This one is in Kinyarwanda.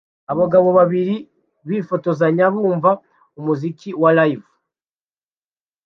Abagabo babiri bifotozanya bumva umuziki wa Live